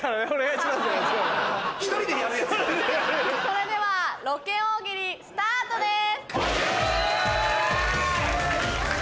それではロケ大喜利スタートです。